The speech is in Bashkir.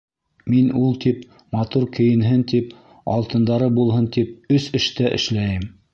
Мин ул тип, матур кейенһен тип, алтындары булһын тип... өс эштә эшләйем!